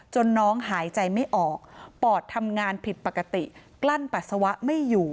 น้องหายใจไม่ออกปอดทำงานผิดปกติกลั้นปัสสาวะไม่อยู่